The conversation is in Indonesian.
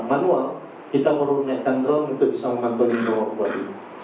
untuk bisa memantul di bawah kuali